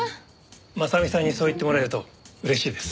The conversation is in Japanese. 真実さんにそう言ってもらえると嬉しいです。